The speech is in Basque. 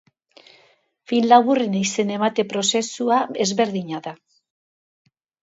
Film laburren izen-emate prozesua ezberdina da.